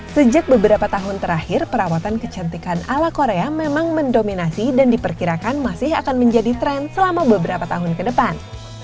sejak beberapa tahun terakhir perawatan kecantikan ala korea memang mendominasi dan diperkirakan masih akan menjadi tren selama beberapa tahun ke depan